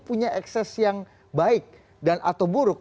punya ekses yang baik dan atau buruk